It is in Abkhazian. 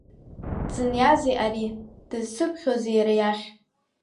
Дзыниазеи ари, дызсыԥхьозеи иара иахь?